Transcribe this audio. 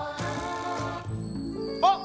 あっ！